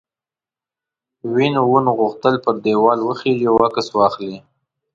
وین وون غوښتل پر دیوال وخیژي او عکس واخلي.